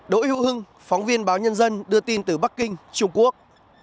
đỗ hữu hưng phóng viên báo nhân dân đưa tin từ bắc kinh trung quốc